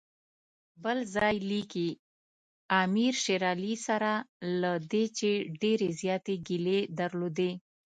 بل ځای لیکي امیر شېر علي سره له دې چې ډېرې زیاتې ګیلې درلودې.